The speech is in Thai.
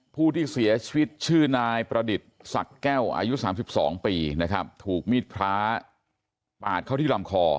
ผู้ที่เสียชีวิตชื่อนายประดิษฐ์ศักดิ์แก้วอายุ๓๒ปีนะครับถูกมีดพระปาดเข้าที่ลำคอ